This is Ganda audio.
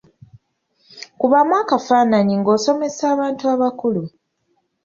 Kubamu akafaananyi ng'osomesa abantu abakulu.